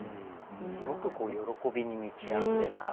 すごく喜びに満ちあふれた。